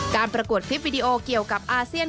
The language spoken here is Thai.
ประกวดคลิปวิดีโอเกี่ยวกับอาเซียน